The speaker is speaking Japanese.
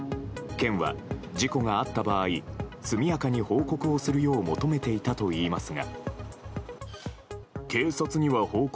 県は事故があった場合速やかに報告をするよう求めていたといいますが。